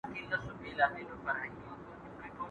ما نغدې ورکړي.